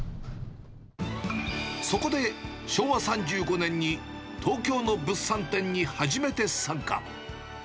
そこで昭和３５年に、東京の物産展に初めて参加。